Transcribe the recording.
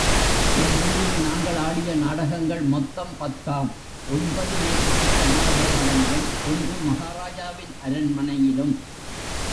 இவ்வூரில் நாங்கள் ஆடிய நாடகங்கள் மொத்தம் பத்தாம் ஒன்பது மேற்குறித்த நாடகசாலையிலும், ஒன்று மகாராஜாவின் அரண்மனையிலும்.